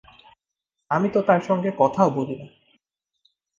আমি তো তাঁর সঙ্গে কথাও বলি না!